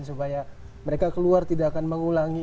supaya mereka keluar tidak akan mengulangi